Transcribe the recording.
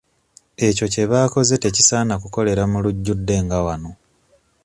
Ekyo kye baakoze tekisaana kukolera mu lujjudde nga wano.